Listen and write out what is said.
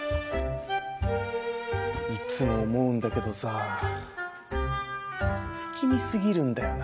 いつも思うんだけどさぁ不気味すぎるんだよな